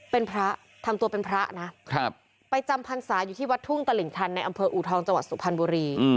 เป็นพระทำตัวเป็นพระนะไปจำพรรษาอยู่ที่วัดทุ่งตลิ่งชันในอำเภออูทองจังหวัดสุพรรณบุรี